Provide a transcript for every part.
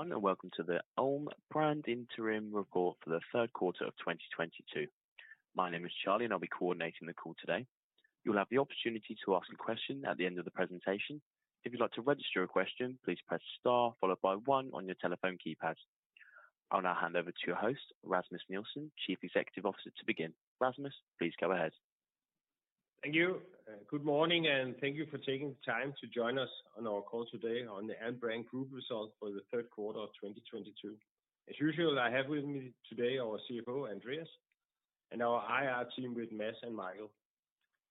Everyone, welcome to the Alm. Brand Interim Report for the Q3 of 2022. My name is Charlie, and I'll be coordinating the call today. You'll have the opportunity to ask a question at the end of the presentation. If you'd like to register a question, please press star followed by one on your telephone keypad. I'll now hand over to your host, Rasmus Nielsen, Chief Executive Officer, to begin. Rasmus, please go ahead. Thank you. Good morning, and thank you for taking the time to join us on our call today on the Alm. Brand Group results for the Q3 of 2022. As usual, I have with me today our CFO, Andreas, and our IR team with Mads and Michael.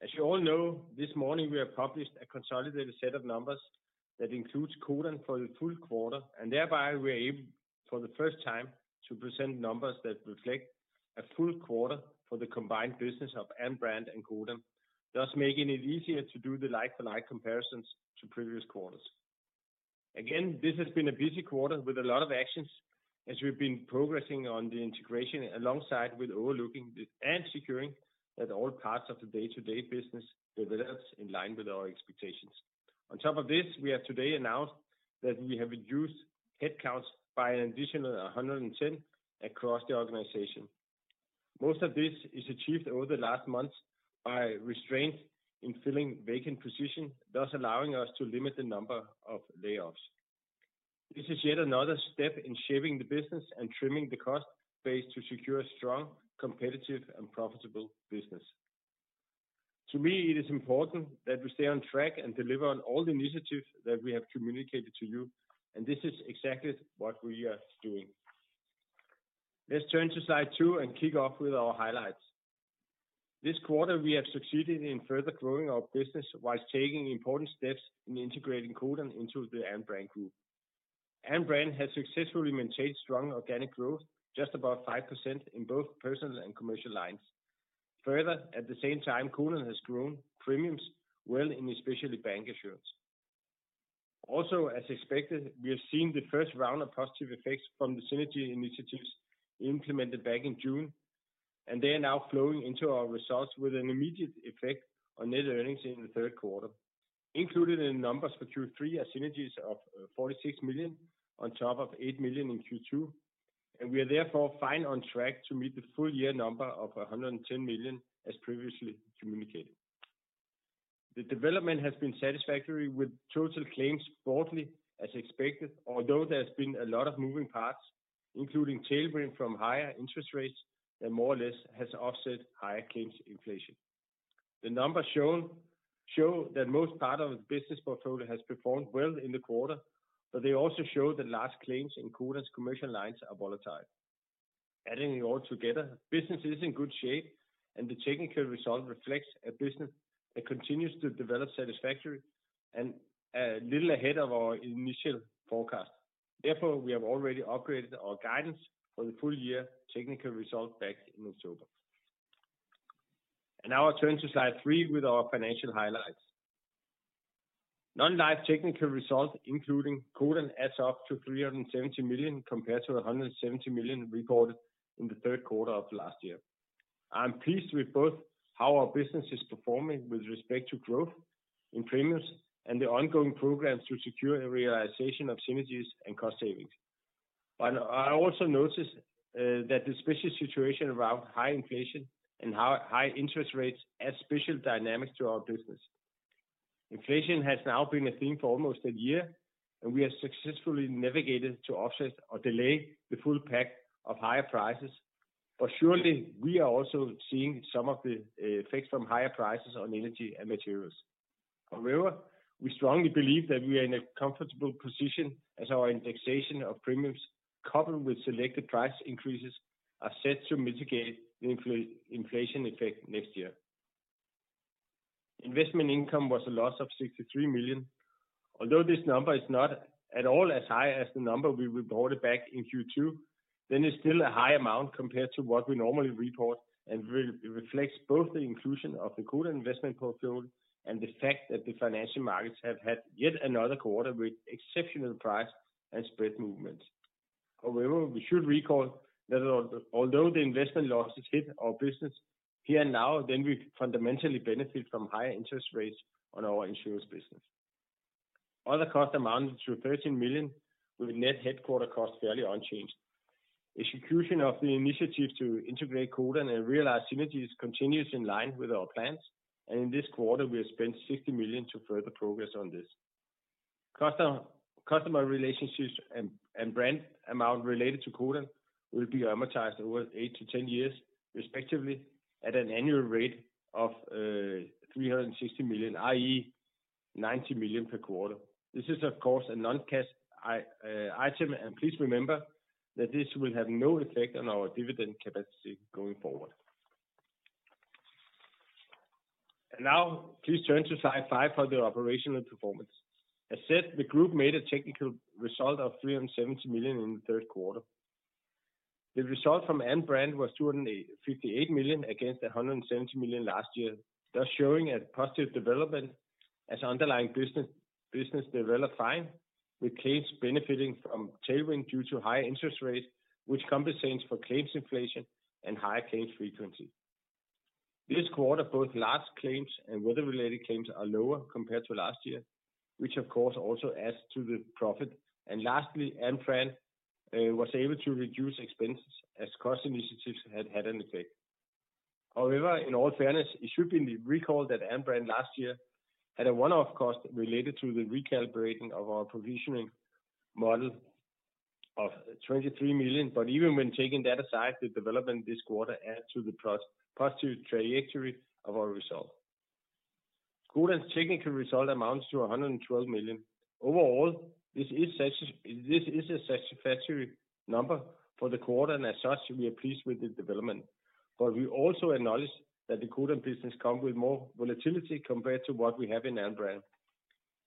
As you all know, this morning we have published a consolidated set of numbers that includes Codan for the full quarter, and thereby we're able, for the first time, to present numbers that reflect a full quarter for the combined business of Alm. Brand and Codan, thus making it easier to do the like-for-like comparisons to previous quarters. Again, this has been a busy quarter with a lot of actions as we've been progressing on the integration alongside with overlooking and securing that all parts of the day-to-day business develops in line with our expectations. On top of this, we have today announced that we have reduced headcounts by an additional 110 across the organization. Most of this is achieved over the last months by restraint in filling vacant position, thus allowing us to limit the number of layoffs. This is yet another step in shaping the business and trimming the cost base to secure strong, competitive and profitable business. To me, it is important that we stay on track and deliver on all the initiatives that we have communicated to you, and this is exactly what we are doing. Let's turn to slide two and kick off with our highlights. This quarter, we have succeeded in further growing our business while taking important steps in integrating Codan into the Alm. Brand Group. Alm. Brand has successfully maintained strong organic growth, just about 5% in both personal and commercial lines. Further, at the same time, Codan has grown premiums well in especially bancassurance. As expected, we have seen the first round of positive effects from the synergy initiatives implemented back in June, and they are now flowing into our results with an immediate effect on net earnings in the third quarter. Included in numbers for Q3 are synergies of 46 million on top of 8 million in Q2, and we are therefore fine on track to meet the full year number of 110 million as previously communicated. The development has been satisfactory with total claims broadly as expected, although there's been a lot of moving parts, including tailwind from higher interest rates that more or less has offset higher claims inflation. The numbers shown show that most part of the business portfolio has performed well in the quarter, but they also show that large claims in Codan's commercial lines are volatile. Adding it all together, business is in good shape, and the technical result reflects a business that continues to develop satisfactory and a little ahead of our initial forecast. Therefore, we have already upgraded our guidance for the full year technical result back in October. Now I turn to slide three with our financial highlights. Non-life technical results, including Codan, adds up to 370 million compared to 170 million recorded in the Q3 of last year. I'm pleased with both how our business is performing with respect to growth in premiums and the ongoing programs to secure a realization of synergies and cost savings. I also notice that the special situation around high inflation and high interest rates adds special dynamics to our business. Inflation has now been a theme for almost a year, and we have successfully navigated to offset or delay the full impact of higher prices. Surely, we are also seeing some of the effects from higher prices on energy and materials. However, we strongly believe that we are in a comfortable position as our indexation of premiums, coupled with selected price increases, are set to mitigate the inflation effect next year. Investment income was a loss of 63 million. Although this number is not at all as high as the number we reported back in Q2, then it's still a high amount compared to what we normally report, and reflects both the inclusion of the Codan investment portfolio and the fact that the financial markets have had yet another quarter with exceptional price and spread movements. However, we should recall that although the investment losses hit our business here now, then we fundamentally benefit from higher interest rates on our insurance business. Other costs amounted to 13 million, with net headquarters costs fairly unchanged. Execution of the initiative to integrate Codan and realize synergies continues in line with our plans, and in this quarter, we have spent 60 million to further progress on this. Customer relationships and brand amount related to Codan will be amortized over 8-10 years, respectively, at an annual rate of 360 million, i.e. 90 million per quarter. This is, of course, a non-cash item, and please remember that this will have no effect on our dividend capacity going forward. Now please turn to slide five for the operational performance. As said, the group made a technical result of 370 million in the third quarter. The result from Alm. Brand was 258 million against 170 million last year, thus showing a positive development as underlying business develops fine, with claims benefiting from tailwind due to high interest rates, which compensates for claims inflation and high claims frequency. This quarter, both large claims and weather-related claims are lower compared to last year, which of course also adds to the profit. Lastly, Alm. Brand was able to reduce expenses as cost initiatives had an effect. However, in all fairness, it should be recalled that Alm. Brand last year had a one-off cost related to the recalibrating of our provisioning model of 23 million. Even when taking that aside, the development this quarter adds to the positive trajectory of our results. Codan's technical result amounts to 112 million. Overall, this is a satisfactory number for the quarter, and as such, we are pleased with the development. We also acknowledge that the Codan business come with more volatility compared to what we have in Alm. Brand.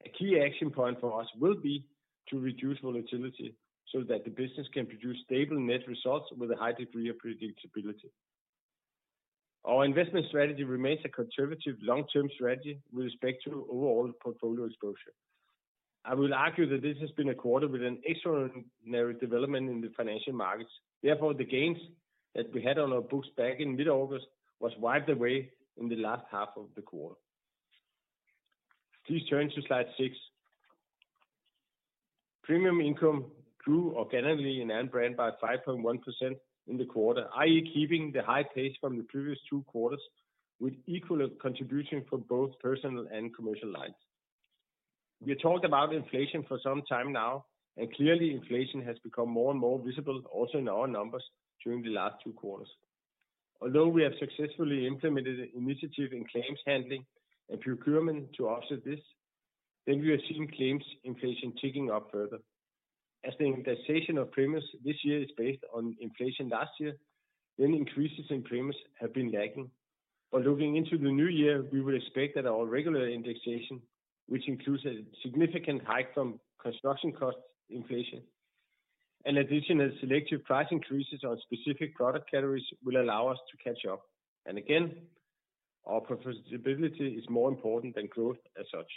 A key action point for us will be to reduce volatility so that the business can produce stable net results with a high degree of predictability. Our investment strategy remains a conservative long-term strategy with respect to overall portfolio exposure. I will argue that this has been a quarter with an extraordinary development in the financial markets. Therefore, the gains that we had on our books back in mid-August was wiped away in the last half of the quarter. Please turn to slide six. Premium income grew organically in Alm. Brand by 5.1% in the quarter, i.e. Keeping the high pace from the previous two quarters with equal contribution from both personal and commercial lines. We have talked about inflation for some time now, and clearly inflation has become more and more visible also in our numbers during the last two quarters. Although we have successfully implemented initiative in claims handling and procurement to offset this, then we are seeing claims inflation ticking up further. As the indexation of premiums this year is based on inflation last year, then increases in premiums have been lagging. Looking into the new year, we will expect that our regular indexation, which includes a significant hike from construction cost inflation and additional selective price increases on specific product categories, will allow us to catch up. Again, our profitability is more important than growth as such.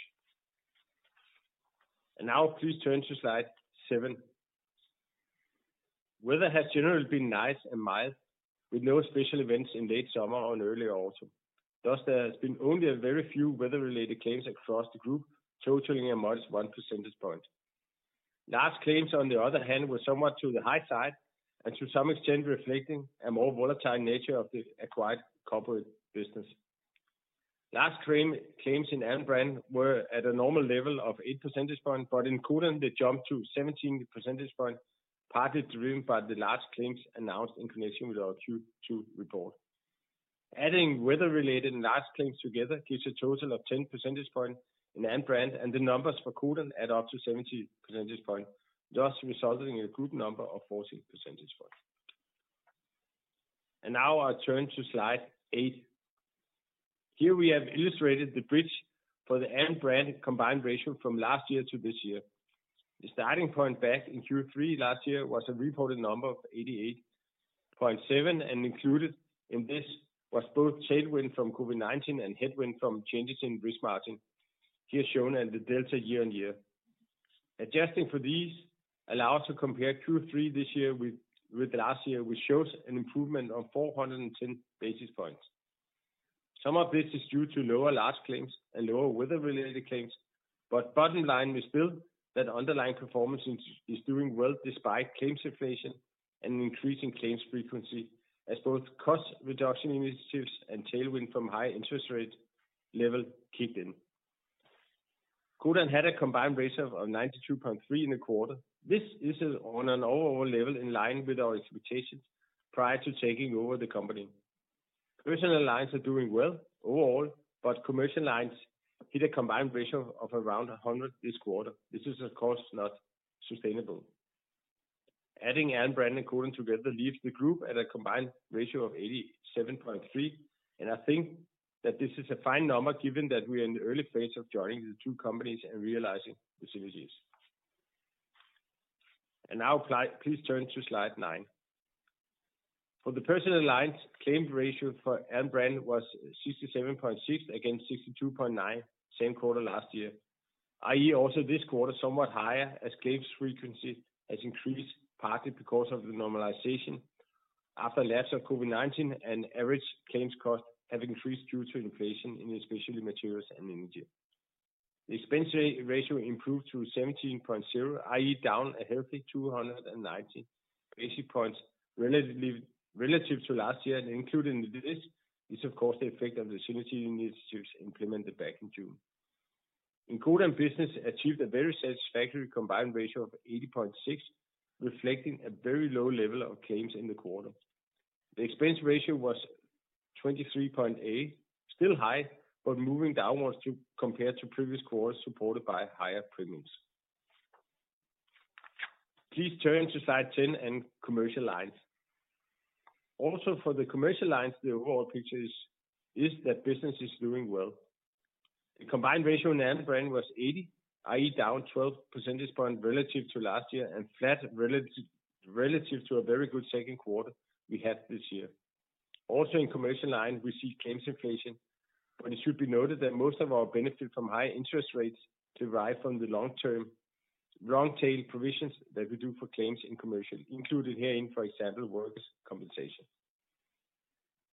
Now please turn to slide seven. Weather has generally been nice and mild, with no special events in late summer or in early autumn. Thus there has been only a very few weather-related claims across the group, totaling a modest one percentage point. Large claims, on the other hand, were somewhat to the high side and to some extent reflecting a more volatile nature of the acquired corporate business. Large claims in Alm. Brand were at a normal level of eight percentage point, but in Codan they jumped to 17 percentage point, partly driven by the large claims announced in connection with our Q2 report. Adding weather-related and large claims together gives a total of 10 percentage point in Alm. Brand, and the numbers for Codan add up to 17 percentage point, thus resulting in a group number of 14 percentage point. Now I turn to slide eight. Here we have illustrated the bridge for the Alm. Brand combined ratio from last year to this year. The starting point back in Q3 last year was a reported number of 88.7%, and included in this was both tailwind from COVID-19 and headwind from changes in risk margin, here shown as the year-over-year delta. Adjusting for these allow us to compare Q3 this year with last year, which shows an improvement of 410 basis points. Some of this is due to lower large claims and lower weather-related claims. Bottom line is still that underlying performance is doing well despite claims inflation and increasing claims frequency as both cost reduction initiatives and tailwind from high interest rate level kick in. Codan had a combined ratio of 92.3% in the quarter. This is on an overall level in line with our expectations prior to taking over the company. Personal lines are doing well overall, but commercial lines hit a combined ratio of around 100 this quarter. This is of course not sustainable. Adding Alm. Brand and Codan together leaves the group at a combined ratio of 87.3, and I think that this is a fine number given that we are in the early phase of joining the two companies and realizing the synergies. Now please turn to slide nine. For the personal lines, claims ratio for Alm. Brand was 67.6 against 62.9 same quarter last year, i.e. also this quarter somewhat higher as claims frequency has increased, partly because of the normalization after lapse of COVID-19 and average claims cost have increased due to inflation in especially materials and energy. The expense ratio improved to 17.0, i.e. down a healthy 290 basis points relative to last year. Included in this is of course the effect of the synergy initiatives implemented back in June. In Codan business achieved a very satisfactory combined ratio of 80.6, reflecting a very low level of claims in the quarter. The expense ratio was 23.8, still high, but moving downwards compared to previous quarters supported by higher premiums. Please turn to slide 10 and commercial lines. Also for the commercial lines, the overall picture is that business is doing well. The combined ratio in Alm. Brand was 80, i.e. down 12 percentage points relative to last year and flat relative to a very good Q2 we had this year. Also in commercial lines, we see claims inflation, but it should be noted that most of our benefit from high interest rates derive from the long-term long tail provisions that we do for claims in commercial lines included herein, for example, workers' compensation.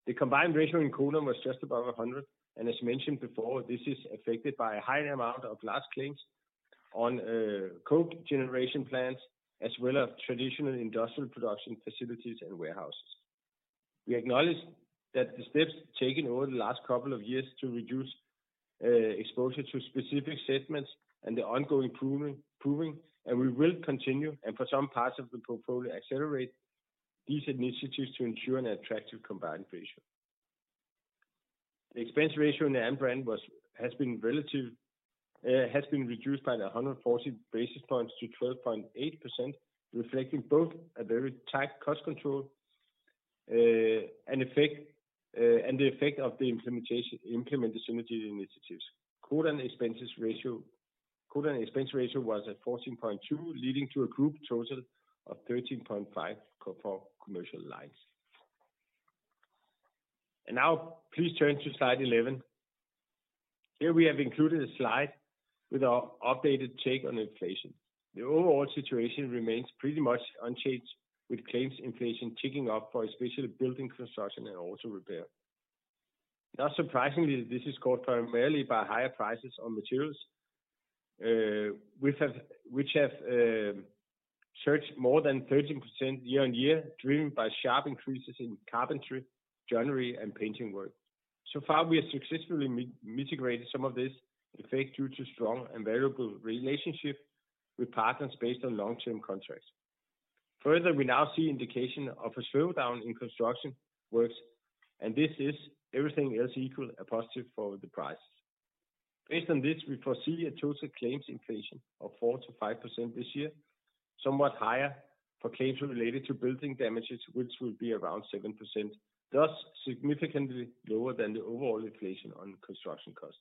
The combined ratio in Codan was just above 100, and as mentioned before, this is affected by a high amount of large claims on cogeneration plants as well as traditional industrial production facilities and warehouses. We acknowledge that the steps taken over the last couple of years to reduce exposure to specific segments and the ongoing improvement, and we will continue, and for some parts of the portfolio, accelerate these initiatives to ensure an attractive combined ratio. The expense ratio in the Alm. Brand has been relatively reduced by 140 basis points to 12.8%, reflecting both a very tight cost control and the effect of the implemented synergy initiatives. Codan expense ratio was at 14.2%, leading to a group total of 13.5% for commercial lines. Now please turn to slide 11. Here we have included a slide with our updated take on inflation. The overall situation remains pretty much unchanged, with claims inflation ticking up especially for building construction and auto repair. Not surprisingly, this is caused primarily by higher prices on materials, which have surged more than 13% year-on-year, driven by sharp increases in carpentry, joinery, and painting work. So far, we have successfully mitigated some of this effect due to strong and valuable relationship with partners based on long-term contracts. Further, we now see indication of a slowdown in construction works, and this is everything else equal, a positive for the prices. Based on this, we foresee a total claims inflation of 4%-5% this year, somewhat higher for claims related to building damages, which will be around 7%, thus significantly lower than the overall inflation on construction costs.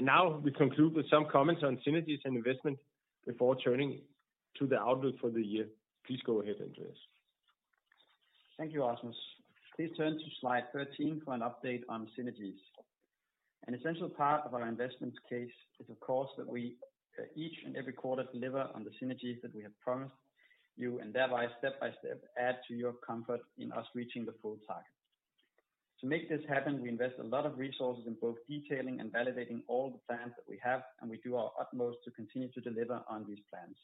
Now we conclude with some comments on synergies and investment before turning to the outlook for the year. Please go ahead, Andreas. Thank you, Rasmus. Please turn to slide 13 for an update on synergies. An essential part of our investment case is, of course, that we each and every quarter deliver on the synergies that we have promised you, and thereby step by step add to your comfort in us reaching the full target. To make this happen, we invest a lot of resources in both detailing and validating all the plans that we have, and we do our utmost to continue to deliver on these plans.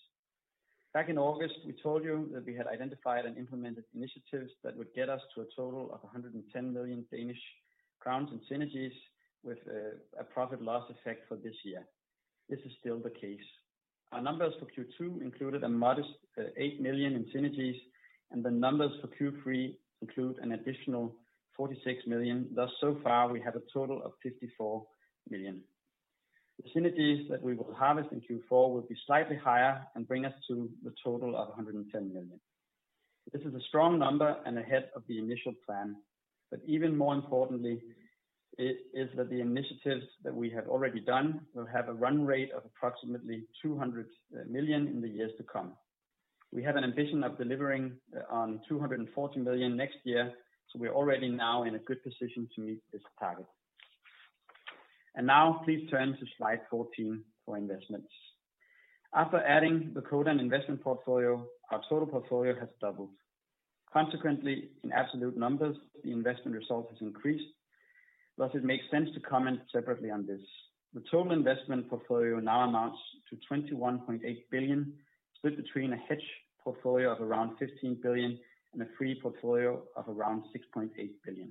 Back in August, we told you that we had identified and implemented initiatives that would get us to a total of 110 million Danish crowns in synergies with a P&L effect for this year. This is still the case. Our numbers for Q2 included a modest eight million in synergies, and the numbers for Q3 include an additional 46 million. Thus so far, we have a total of 54 million. The synergies that we will harvest in Q4 will be slightly higher and bring us to the total of 110 million. This is a strong number and ahead of the initial plan, but even more importantly is that the initiatives that we have already done will have a run rate of approximately 200 million in the years to come. We have an ambition of delivering on 240 million next year, so we are already now in a good position to meet this target. Now please turn to slide 14 for investments. After adding the Codan investment portfolio, our total portfolio has doubled. Consequently, in absolute numbers, the investment result has increased. Thus, it makes sense to comment separately on this. The total investment portfolio now amounts to 21.8 billion, split between a hedge portfolio of around 15 billion and a free portfolio of around 6.8 billion.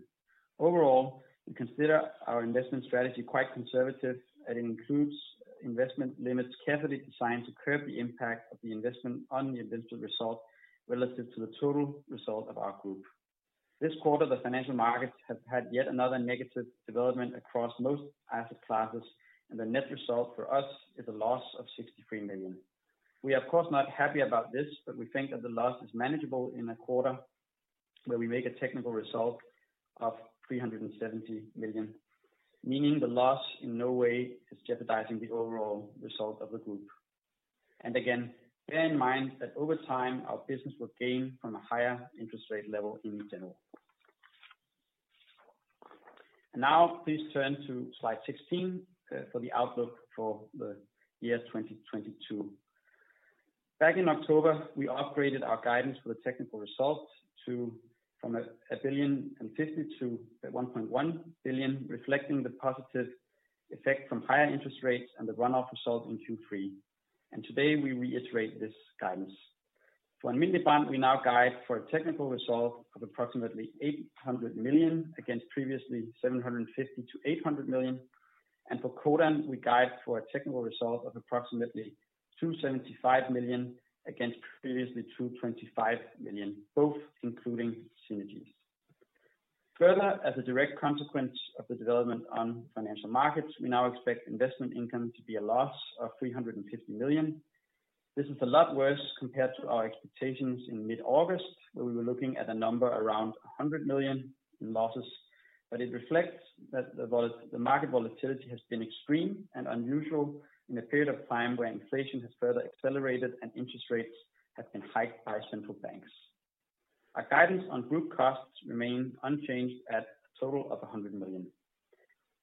Overall, we consider our investment strategy quite conservative, and it includes investment limits carefully designed to curb the impact of the investment on the investment result relative to the total result of our group. This quarter, the financial markets have had yet another negative development across most asset classes, and the net result for us is a loss of 63 million. We are of course not happy about this, but we think that the loss is manageable in a quarter where we make a technical result of 370 million, meaning the loss in no way is jeopardizing the overall result of the group. Again, bear in mind that over time, our business will gain from a higher interest rate level in general. Now please turn to slide 16 for the outlook for the year 2022. Back in October, we upgraded our guidance for the technical result to from 1.05 billion to 1.1 billion, reflecting the positive effect from higher interest rates and the run-off result in Q3. Today we reiterate this guidance. For Nykredit, we now guide for a technical result of approximately 800 million against previously 750 million-800 million. For Codan, we guide for a technical result of approximately 275 million against previously 225 million, both including synergies. Further, as a direct consequence of the development on financial markets, we now expect investment income to be a loss of 350 million. This is a lot worse compared to our expectations in mid-August, where we were looking at a number around 100 million in losses, but it reflects that the market volatility has been extreme and unusual in a period of time where inflation has further accelerated and interest rates have been hiked by central banks. Our guidance on group costs remain unchanged at a total of 100 million.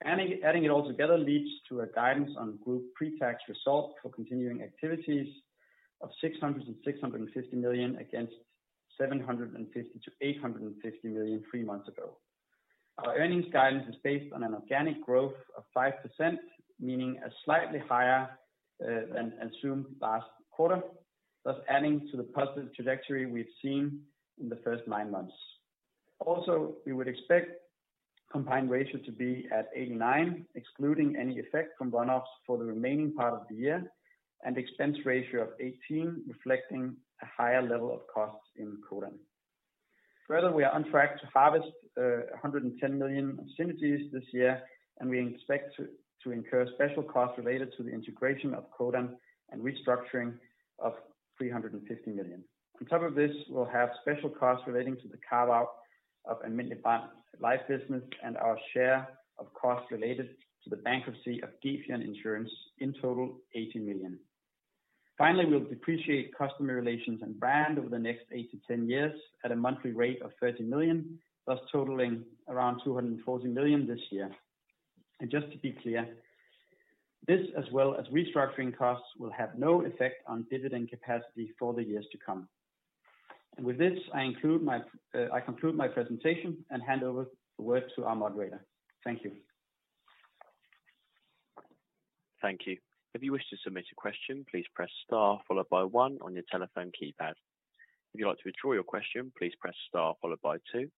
It all together leads to a guidance on group pretax results for continuing activities of 600 million-650 million against 750 million-850 million three months ago. Our earnings guidance is based on an organic growth of 5%, meaning a slightly higher than assumed last quarter, thus adding to the positive trajectory we've seen in the first nine months. Also, we would expect combined ratio to be at 89, excluding any effect from one-offs for the remaining part of the year, and expense ratio of 18, reflecting a higher level of costs in Codan. Further, we are on track to harvest a 110 million of synergies this year, and we expect to incur special costs related to the integration of Codan and restructuring of 350 million. On top of this, we'll have special costs relating to the carve-out of Alm. Brand's life business and our share of costs related to the bankruptcy of Gefion Insurance, in total 80 million. Finally, we'll depreciate customer relations and brand over the next 8-10 years at a monthly rate of 30 million, thus totaling around 240 million this year. Just to be clear, this as well as restructuring costs will have no effect on dividend capacity for the years to come. With this, I conclude my presentation and hand over the word to our moderator. Thank you. Thank you. If you wish to submit a question, please press star followed by one on your telephone keypad. If you'd like to withdraw your question, please press star followed by two.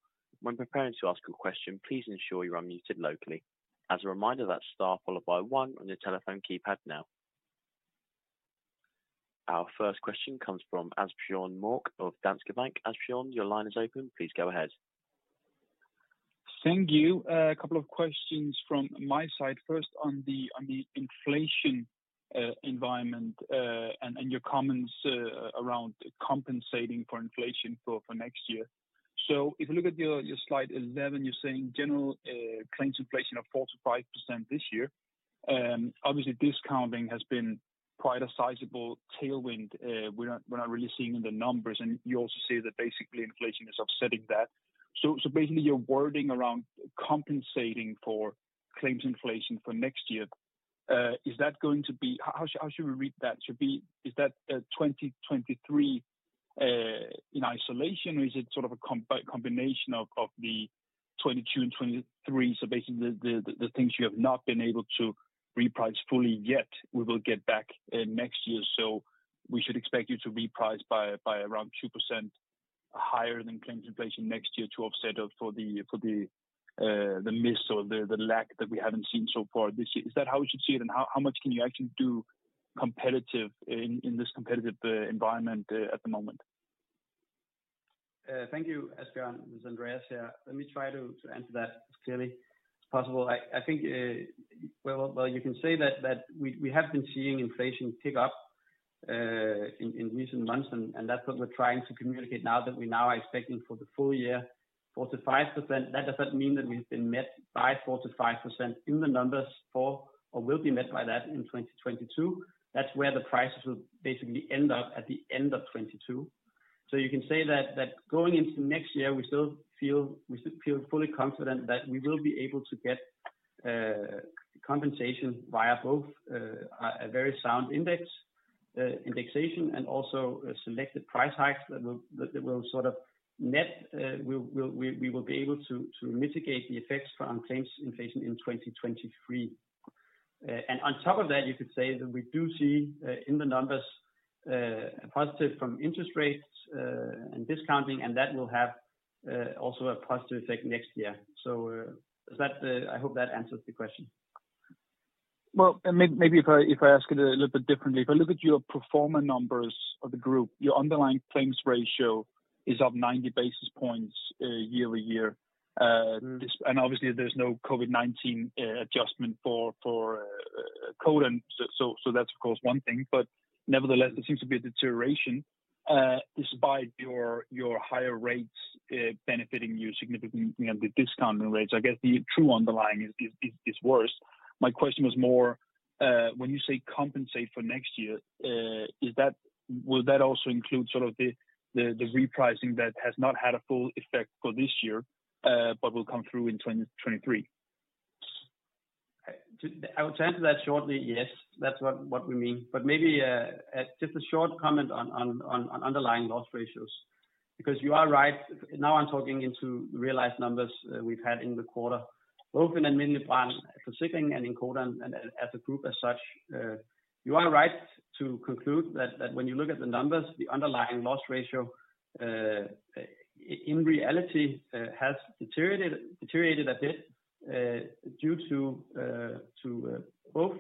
When preparing to ask a question, please ensure you're unmuted locally. As a reminder, that's star followed by one on your telephone keypad now. Our first question comes from Asbjørn Mørk of Danske Bank. Asbjørn, your line is open. Please go ahead. Thank you. A couple of questions from my side. First on the inflation environment and your comments around compensating for inflation for next year. If you look at your slide 11, you're saying general claims inflation of 4%-5% this year. Obviously discounting has been quite a sizable tailwind, we're not really seeing in the numbers. You also say that basically inflation is offsetting that. Basically your wording around compensating for claims inflation for next year, is that going to be. How should we read that? Should it be. Is that 2023 in isolation, or is it sort of a combination of the 2022 and 2023? Basically the things you have not been able to reprice fully yet, we will get back next year. We should expect you to reprice by around 2% higher than claims inflation next year to offset for the miss or the lack that we haven't seen so far this year. Is that how we should see it? How much can you actually do competitively in this competitive environment at the moment? Thank you, Asbjørn. It's Andreas here. Let me try to answer that as clearly as possible. I think, well, you can say that we have been seeing inflation pick up in recent months, and that's what we're trying to communicate now that we are expecting for the full year 4%-5%. That doesn't mean that we've been met by 4%-5% in the numbers for or will be met by that in 2022. That's where the prices will basically end up at the end of 2022. You can say that going into next year, we feel fully confident that we will be able to get compensation via both a very sound indexation and also a selected price hike that will sort of net we will be able to mitigate the effects from claims inflation in 2023. On top of that, you could say that we do see in the numbers a positive from interest rates and discounting, and that will have also a positive effect next year. Does that? I hope that answers the question. Well, maybe if I ask it a little bit differently. If I look at your pro forma numbers of the group, your underlying claims ratio is up 90 basis points year-over-year. Obviously there's no COVID-19 adjustment for Codan. So that's of course one thing, but nevertheless, there seems to be a deterioration despite your higher rates benefiting you significantly with discounting rates. I guess the true underlying is worse. My question was more when you say compensate for next year, will that also include sort of the repricing that has not had a full effect for this year, but will come through in 2023? I would say answer that shortly, yes. That's what we mean. Maybe just a short comment on underlying loss ratios, because you are right. Now I'm talking into realized numbers we've had in the quarter, both in Alm. Brand Forsikring and in Codan and as a group as such. You are right to conclude that when you look at the numbers, the underlying loss ratio in reality has deteriorated a bit due to both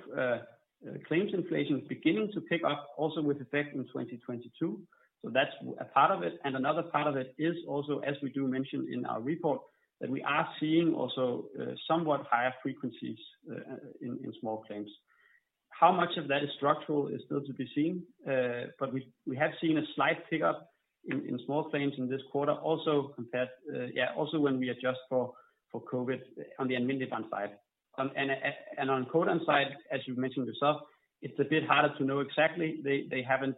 claims inflation is beginning to pick up also with effect in 2022. That's a part of it. Another part of it is also, as we do mention in our report, that we are seeing also somewhat higher frequencies in small claims. How much of that is structural is still to be seen. We have seen a slight pickup in small claims in this quarter also compared also when we adjust for COVID on the administration side. On Codan side, as you mentioned yourself, it's a bit harder to know exactly. They haven't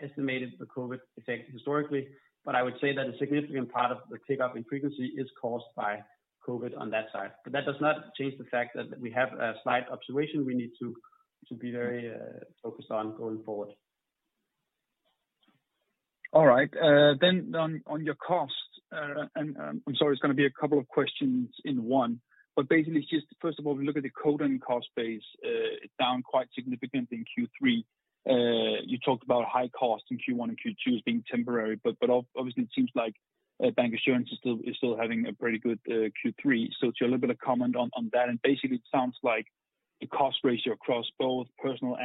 estimated the COVID effect historically, but I would say that a significant part of the tick up in frequency is caused by COVID on that side. That does not change the fact that we have a slight observation we need to be very focused on going forward. All right. Then on your cost and I'm sorry, it's gonna be a couple of questions in one, but basically just first of all, look at the Codan cost base down quite significantly in Q3. You talked about high costs in Q1 and Q2 as being temporary, but obviously it seems like bancassurance is still having a pretty good Q3. It's a little bit of comment on that. Basically it sounds like the cost ratio across both personal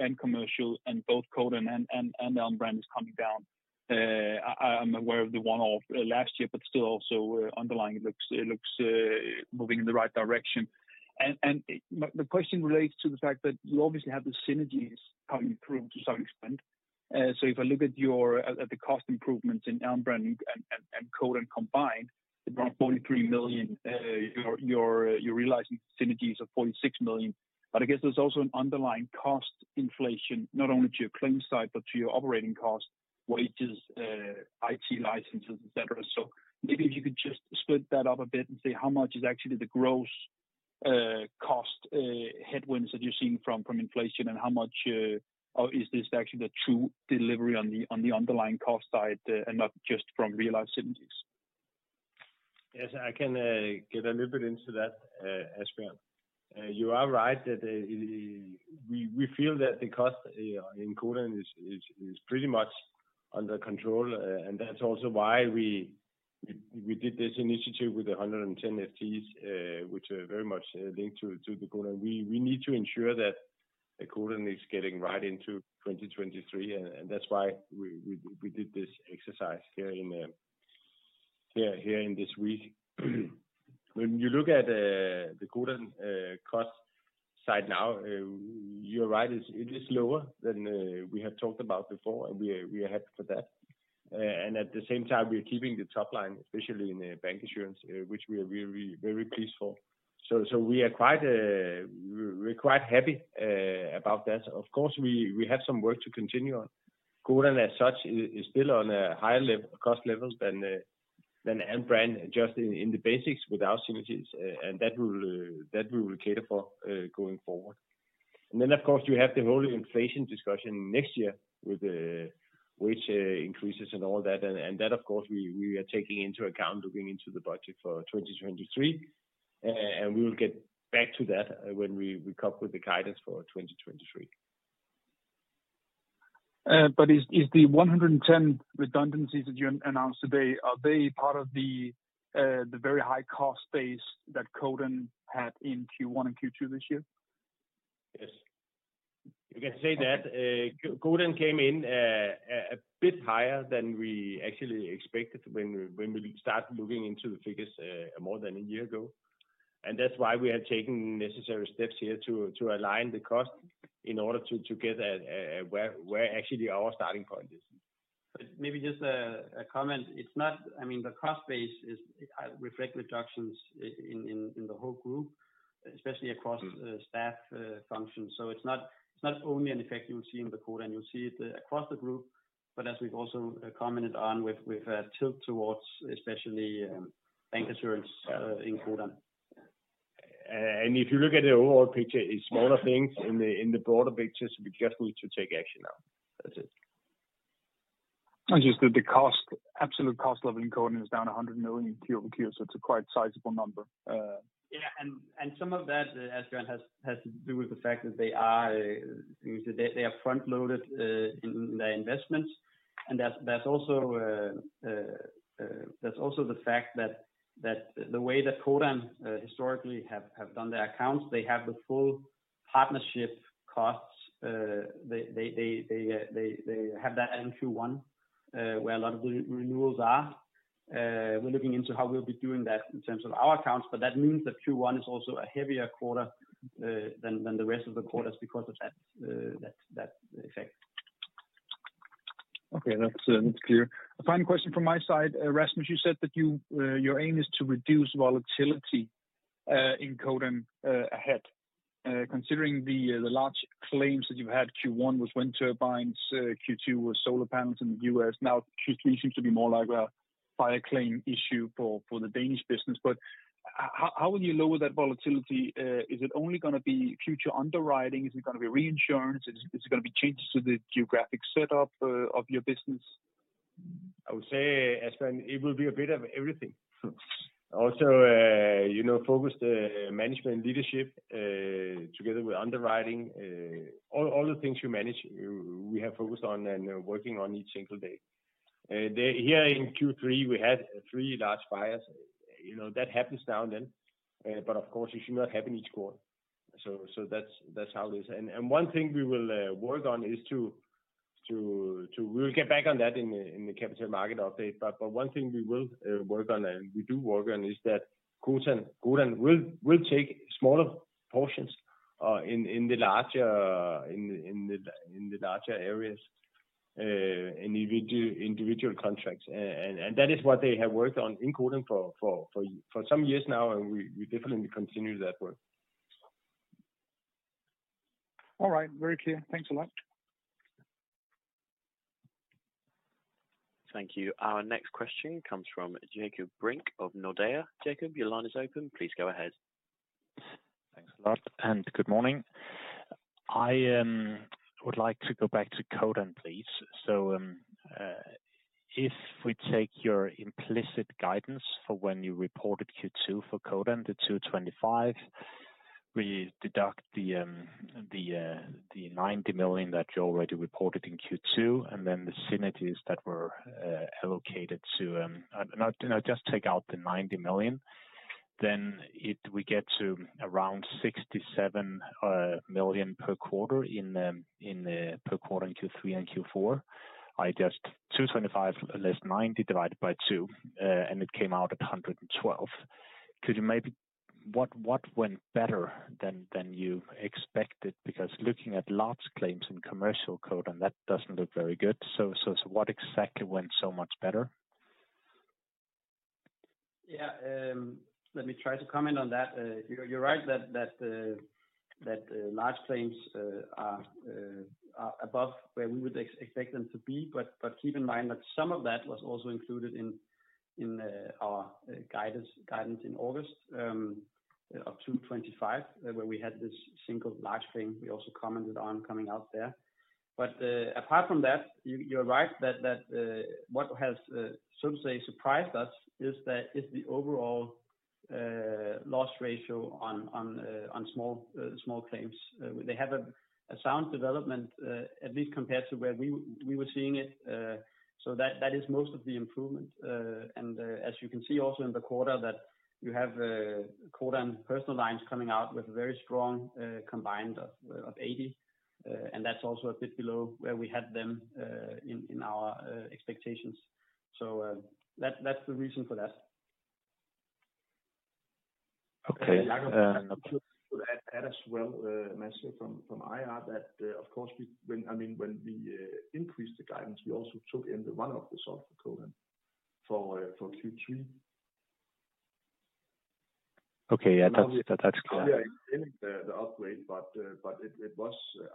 and commercial and both Codan and own brand is coming down. I'm aware of the one-off last year, but still also underlying it looks moving in the right direction. The question relates to the fact that you obviously have the synergies coming through to some extent. If I look at the cost improvements in Alm. Brand and Codan combined, the 43 million you're realizing synergies of 46 million. I guess there's also an underlying cost inflation, not only to your claim side, but to your operating costs, wages, IT licenses, et cetera. Maybe if you could just split that up a bit and say how much is actually the gross cost headwinds that you're seeing from inflation and how much, or is this actually the true delivery on the underlying cost side and not just from realized synergies? Yes, I can get a little bit into that, Asbjørn. You are right that we feel that the cost in Codan is pretty much under control. That's also why we did this initiative with the 110 FTEs, which are very much linked to the Codan. We need to ensure that the Codan is getting right into 2023. That's why we did this exercise this week. When you look at the Codan cost side now, you're right, it is lower than we had talked about before, and we are happy for that. At the same time we are keeping the top line, especially in the bancassurance, which we are really very pleased for. We're quite happy about that. Of course, we have some work to continue on. Codan as such is still on a higher cost level than own brand just in the basics with our synergies, and that we will cater for going forward. Of course, you have the whole inflation discussion next year with the wage increases and all that. That of course we are taking into account looking into the budget for 2023. We will get back to that when we come up with the guidance for 2023. Is the 110 redundancies that you announced today, are they part of the very high cost base that Codan had in Q1 and Q2 this year? Yes. You can say that. Codan came in a bit higher than we actually expected when we start looking into the figures more than a year ago. That's why we are taking necessary steps here to align the cost in order to get where actually our starting point is. Maybe just a comment. I mean, the cost base reflects reductions in the whole group, especially across staff functions. It's not only an effect you will see in Codan, you'll see it across the group. As we've also commented on with a tilt towards especially bancassurance in Codan. If you look at the overall picture, it's smaller things in the broader picture, so we just need to take action now. That's it. Just the cost, absolute cost level in Codan is down 100 million quarter-over-quarter. It's a quite sizable number. Yeah, some of that, Asbjørn, has to do with the fact that they are front loaded in their investments. That's also the fact that the way that Codan historically have done their accounts, they have the full partnership costs. They have that in Q1, where a lot of renewals are. We're looking into how we'll be doing that in terms of our accounts, but that means that Q1 is also a heavier quarter than the rest of the quarters because of that effect. Okay. That's clear. A final question from my side. Rasmus, you said that your aim is to reduce volatility in Codan ahead. Considering the large claims that you had, Q1 was wind turbines, Q2 was solar panels in the U.S.. Now Q3 seems to be more like a fire claim issue for the Danish business. How will you lower that volatility? Is it only gonna be future underwriting? Is it gonna be reinsurance? Is it gonna be changes to the geographic setup of your business? I would say, Asbjørn, it will be a bit of everything. Also, you know, focused management leadership together with underwriting, all the things you manage, we have focused on and working on each single day. Here in Q3, we had three large fires. You know, that happens now and then. But of course, it should not happen each quarter. That's how it is. One thing we will work on is we'll get back on that in the capital market update. One thing we will work on, and we do work on, is that Codan will take smaller portions in the larger areas. Individual contracts. That is what they have worked on in Codan for some years now, and we definitely continue that work. All right. Very clear. Thanks a lot. Thank you. Our next question comes from Jakob Brink of Nordea. Jakob, your line is open. Please go ahead. Thanks a lot, and good morning. I would like to go back to Codan, please. If we take your implicit guidance for when you reported Q2 for Codan to 225, we deduct the 90 million that you already reported in Q2, and then the synergies that were allocated to, no, just take out the 90 million. Then we get to around 67 million per quarter in Q3 and Q4. I just 225 less 90 divided by two, and it came out at 112. Could you maybe? What went better than you expected? Because looking at large claims in commercial Codan, that doesn't look very good. What exactly went so much better? Yeah. Let me try to comment on that. You're right that large claims are above where we would expect them to be. Keep in mind that some of that was also included in our guidance in August of 225, where we had this single large claim we also commented on coming out there. Apart from that, you're right that what has so to say surprised us is the overall loss ratio on small claims. They have a sound development at least compared to where we were seeing it. That is most of the improvement. As you can see also in the quarter that you have, Codan personal lines coming out with a very strong combined ratio of 80%, and that's also a bit below where we had them in our expectations. That's the reason for that. Okay. Jakob, I'm going to add that as well, Mads from IR that, of course—I mean, when we increased the guidance, we also took in the run-off from Codan for Q3. Okay. Yeah. That's clear.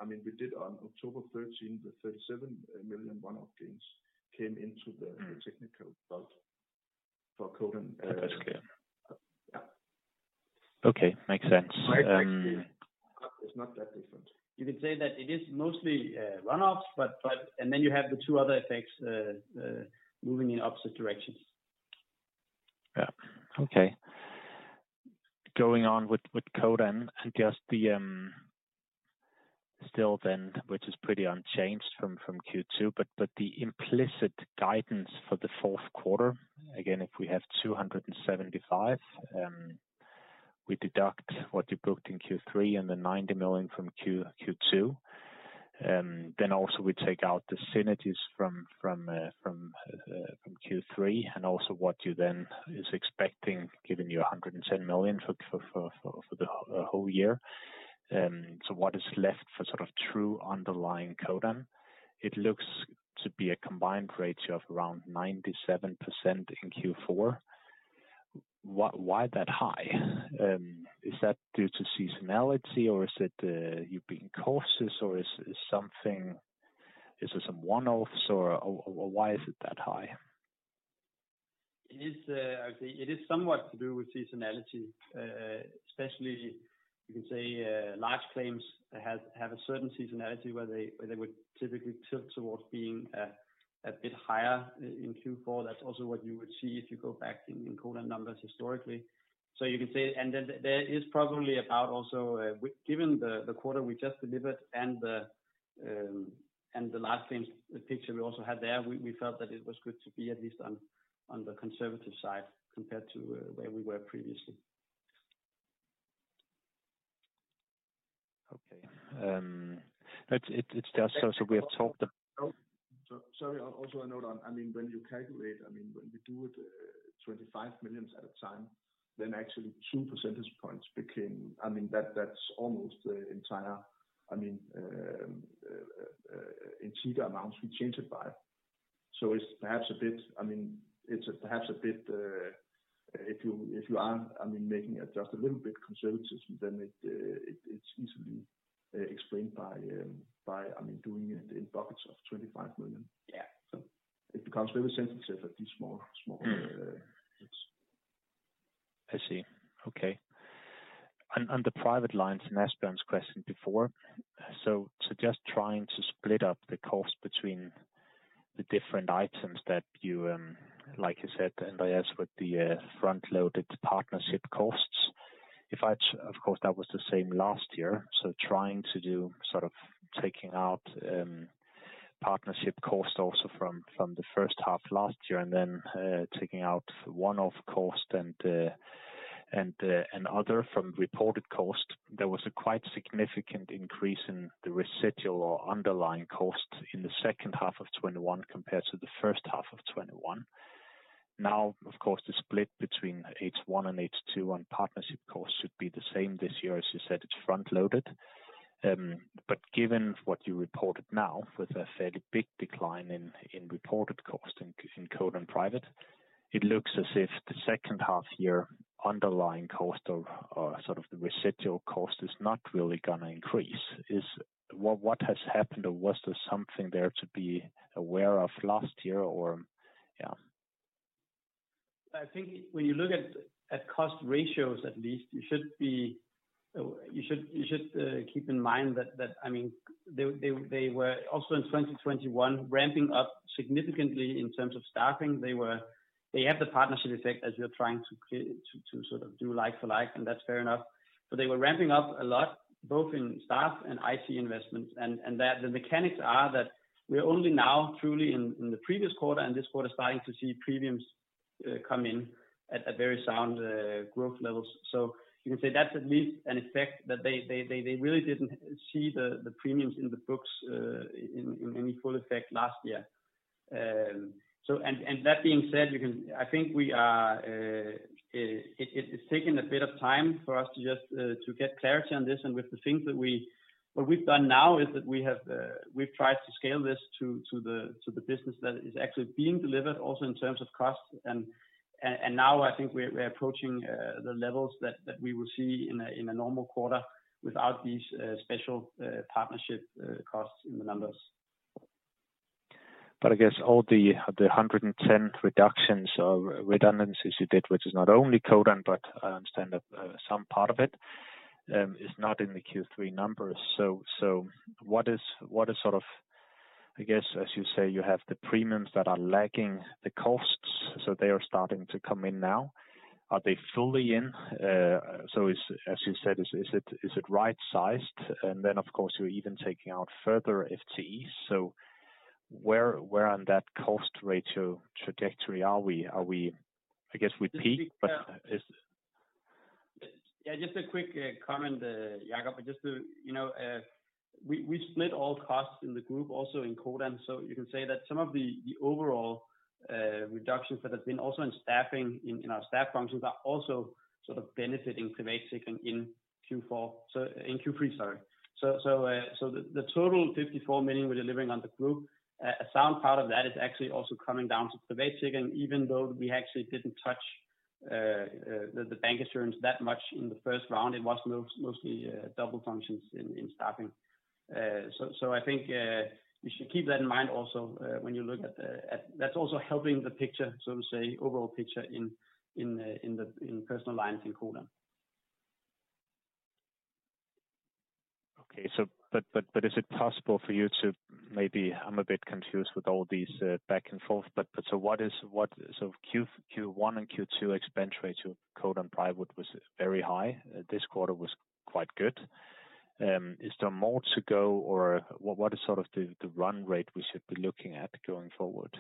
I mean, we did on October 13, the 37 million one-off gains came into the technical result for Codan. That's clear. Yeah. Okay. Makes sense. It's not that different. You can say that it is mostly run-offs, but and then you have the two other effects, moving in opposite directions. Yeah. Okay. Going on with Codan and just the still then, which is pretty unchanged from Q2, but the implicit guidance for the Q4, again, if we have 275 million, we deduct what you booked in Q3 and the 90 million from Q2. Also we take out the synergies from Q3 and also what you then is expecting giving you 110 million for the whole year. So what is left for sort of true underlying Codan? It looks to be a combined ratio of around 97% in Q4. Why that high? Is that due to seasonality or is it you being cautious or is something, is there some one-offs or why is it that high? It is, I would say it is somewhat to do with seasonality. Especially you can say, large claims have a certain seasonality where they would typically tilt towards being a bit higher in Q4. That's also what you would see if you go back in Codan numbers historically. There is probably also, given the quarter we just delivered and the last earnings picture we also had there, we felt that it was good to be at least on the conservative side compared to where we were previously. Okay. It's just also we have talked. Sorry. Also a note on, I mean, when you calculate, I mean, when we do it 25 million at a time, then actually two percentage points, I mean, that's almost the entire, I mean, entire amounts we change it by. It's perhaps a bit, I mean, if you are, I mean, making it just a little bit conservative, then it's easily explained by, I mean, doing it in buckets of 25 million. Yeah. It becomes very sensitive at these small, bits. I see. Okay. On the personal lines and Asbjørn's question before. Just trying to split up the cost between the different items that you like you said, and I asked with the front-loaded partnership costs. Of course, that was the same last year. Trying to do sort of taking out partnership cost also from the H1 last year and then taking out one-off cost and other from reported cost, there was a quite significant increase in the residual or underlying cost in the H2 of 2021 compared to the H1 of 2021. Now, of course, the split between H1 and H2 on partnership costs should be the same this year. As you said, it's front-loaded. Given what you reported now with a fairly big decline in reported cost in Codan private, it looks as if the second half year underlying cost of sort of the residual cost is not really gonna increase. What has happened, or was there something there to be aware of last year? Or, yeah. I think when you look at cost ratios, at least, you should keep in mind that, I mean, they were also in 2021 ramping up significantly in terms of staffing. They have the partnership effect as you're trying to sort of do like for like, and that's fair enough. They were ramping up a lot, both in staff and IT investments and that the mechanics are that we're only now truly in the previous quarter and this quarter starting to see premiums come in at a very sound growth levels. You can say that's at least an effect that they really didn't see the premiums in the books in any full effect last year. It's taken a bit of time for us to get clarity on this. What we've done now is that we have tried to scale this to the business that is actually being delivered also in terms of costs. Now I think we're approaching the levels that we will see in a normal quarter without these special partnership costs in the numbers. I guess all the 110 reductions or redundancies you did, which is not only Codan, but I understand that some part of it is not in the Q3 numbers. What is sort of, I guess, as you say, you have the premiums that are lagging the costs, so they are starting to come in now. Are they fully in? As you said, is it right sized? And then of course you're even taking out further FTEs. Where on that cost ratio trajectory are we? Are we, I guess we peak, but is Yeah, just a quick comment, Jakob, just to, you know, we split all costs in the group also in Codan. So you can say that some of the overall reductions that have been also in staffing in our staff functions are also sort of benefiting Privatsikring in Q4, so in Q3, sorry. So the total 54 million we're delivering on the group, a sound part of that is actually also coming down to Privatsikring even though we actually didn't touch the bancassurance that much in the first round. It was mostly dual functions in staffing. I think you should keep that in mind also when you look at that's also helping the picture, so to say, overall picture in the personal lines in Codan. Okay. But is it possible for you to maybe, I'm a bit confused with all these back and forth, but so what is Q1 and Q2 expense ratio Codan private was very high. This quarter was quite good. Is there more to go or what is sort of the run rate we should be looking at going forward?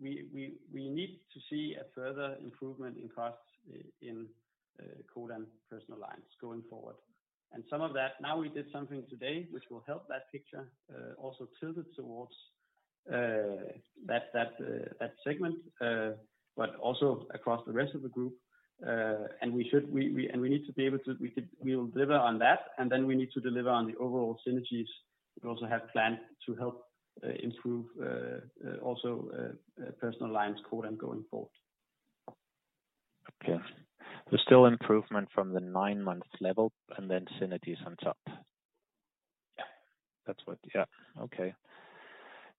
We need to see a further improvement in costs in Codan personal lines going forward. Some of that. Now we did something today which will help that picture, also tilted towards that segment, but also across the rest of the group. We need to be able to deliver on that, and then we need to deliver on the overall synergies. We also have plans to help improve also personal lines Codan going forward. Okay. Still improvement from the nine-month level and then synergies on top. Yeah. That's what, yeah. Okay.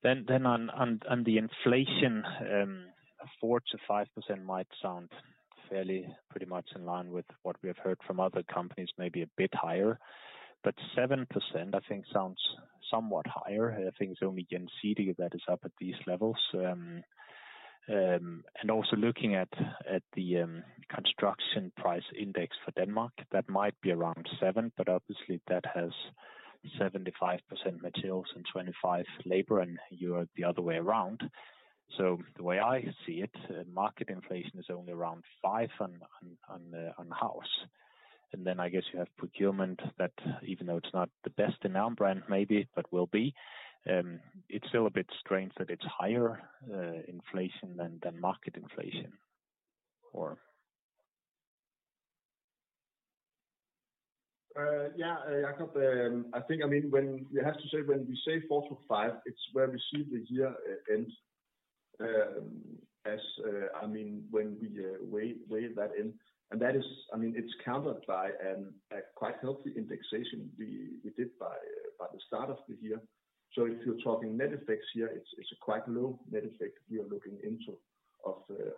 On the inflation, 4%-5% might sound fairly, pretty much in line with what we have heard from other companies, maybe a bit higher. Seven percent I think sounds somewhat higher. I think it's only GF Forsikring that is up at these levels. Also looking at the construction price index for Denmark, that might be around 7%, but obviously that has 75% materials and 25% labor and you're the other way around. The way I see it, market inflation is only around 5% on house. I guess you have procurement that even though it's not the best in Alm. Brand maybe, but will be, it's still a bit strange that it's higher inflation than market inflation or? Jakob, I think, I mean, when you have to say, when we say 4%-5%, it's where we see the year end. I mean, when we weigh that in. That is, I mean, it's countered by a quite healthy indexation we did by the start of the year. If you're talking net effects here, it's a quite low net effect you're looking into of the.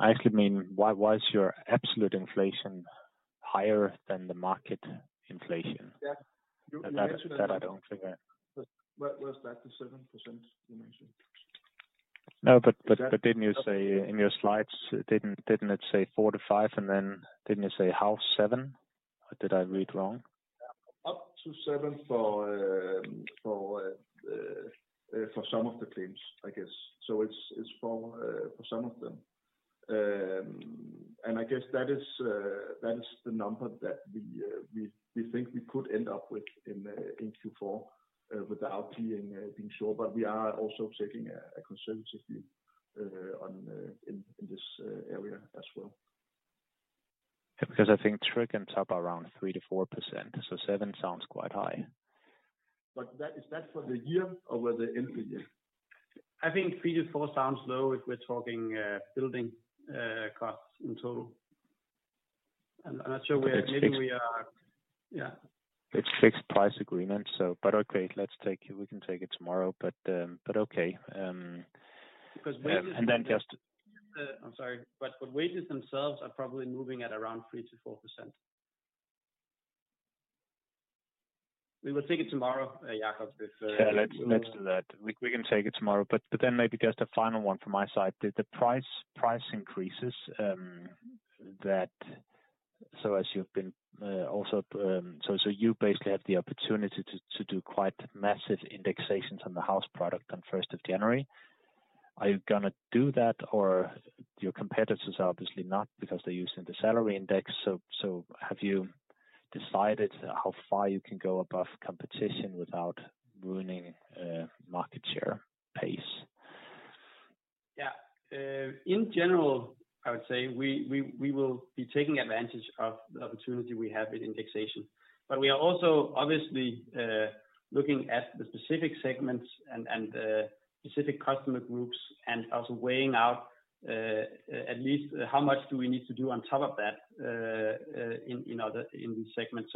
I actually mean why was your absolute inflation higher than the market inflation? Yeah. That I don't figure. Where was that, the 7% you mentioned? No, but didn't you say in your slides, didn't it say four-five, and then didn't it say house seven? Did I read wrong? Up to seven for some of the claims, I guess. It's for some of them. I guess that is the number that we think we could end up with in Q4 without being sure. We are also taking a conservative view on this area as well. Yeah, because I think Tryg and Topdanmark are around 3%-4%, so 7% sounds quite high. Is that for the year or for the end of the year? I think 3%-4% sounds low if we're talking building costs in total. I'm not sure where maybe we are. Yeah. It's fixed price agreement. Okay, let's take it. We can take it tomorrow. Okay. Because wages. And then just- I'm sorry. Wages themselves are probably moving at around 3%-4%. We will take it tomorrow, Jakob, if.. Yeah, let's do that. We can take it tomorrow. Then maybe just a final one from my side. The price increases. As you've been, also, you basically have the opportunity to do quite massive indexations on the house product on 1st of January. Are you gonna do that or your competitors are obviously not because they're using the salary index? Have you decided how far you can go above competition without ruining market share pace? Yeah. In general, I would say we will be taking advantage of the opportunity we have in indexation. We are also obviously looking at the specific segments and specific customer groups and also weighing out at least how much do we need to do on top of that in you know the segments.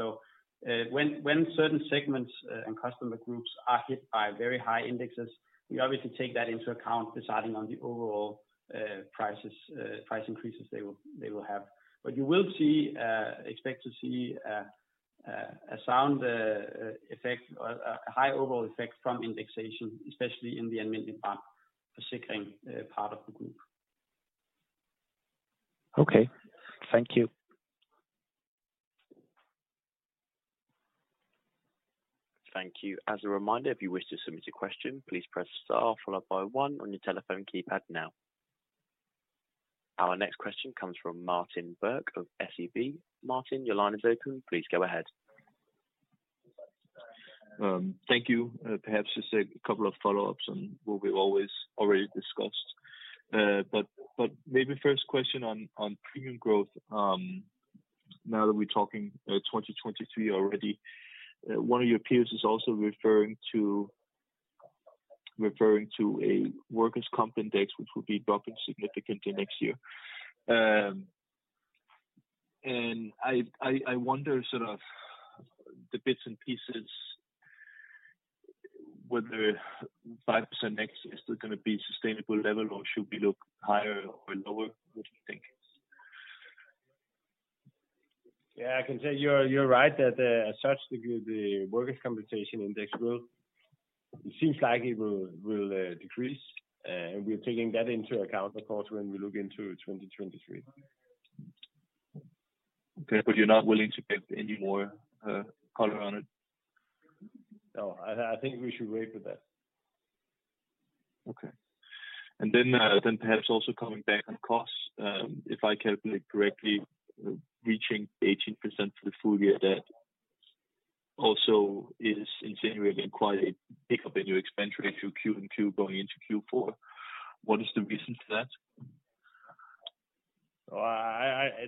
When certain segments and customer groups are hit by very high indexes, we obviously take that into account deciding on the overall prices, price increases they will have. You will expect to see a sound effect or a high overall effect from indexation, especially in the Alm. Brand Forsikring part of the group. Okay. Thank you. Thank you. As a reminder, if you wish to submit a question, please press star followed by one on your telephone keypad now. Our next question comes from Martin Birk of SEB. Martin, your line is open. Please go ahead. Thank you. Perhaps just a couple of follow-ups on what we've always already discussed. Maybe first question on premium growth, now that we're talking 2023 already. One of your peers is also referring to a workers' comp index which will be dropping significantly next year. I wonder sort of the bits and pieces whether 5% next is still gonna be sustainable level or should we look higher or lower, what do you think? Yeah, I can say you're right that as such the workers' compensation index will, it seems like it will decrease. We're taking that into account, of course, when we look into 2023. Okay. You're not willing to give any more color on it? No, I think we should wait with that. Okay. Perhaps also coming back on costs, if I calculate correctly, reaching 18% for the full year, that also is insinuating quite a pickup in your expenditure through Q3 and Q4 going into Q4. What is the reason for that?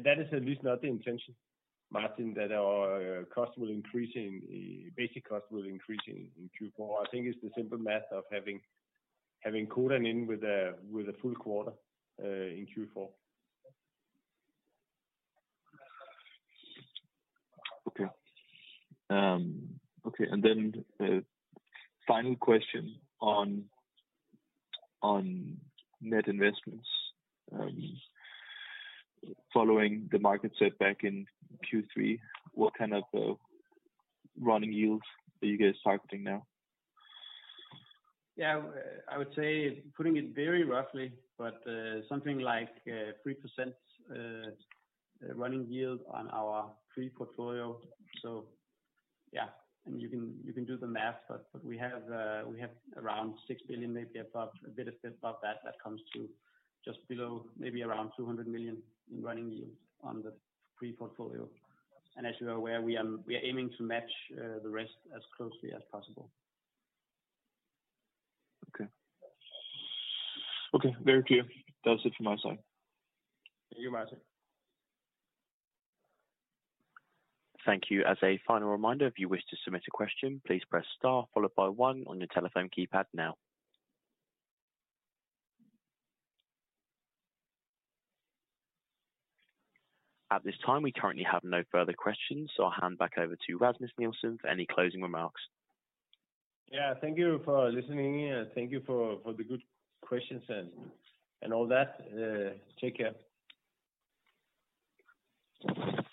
That is at least not the intention, Martin, that our basic cost will increase in Q4. I think it's the simple math of having Codan in with a full quarter in Q4. Okay. Final question on net investments. Following the market setback in Q3, what kind of running yields are you guys targeting now? Yeah. I would say putting it very roughly, but something like 3% running yield on our free portfolio. Yeah. You can do the math, but we have around 6 billion, maybe above, a bit above that comes to just below, maybe around 200 million in running yields on the free portfolio. As you are aware, we are aiming to match the rest as closely as possible. Okay. Okay, very clear. That was it from my side. Thank you, Martin. Thank you. As a final reminder, if you wish to submit a question, please press star followed by one on your telephone keypad now. At this time, we currently have no further questions, so I'll hand back over to Rasmus Nielsen for any closing remarks. Yeah. Thank you for listening, and thank you for the good questions and all that. Take care. Thank you.